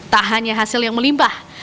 tak hanya hasil yang melimpah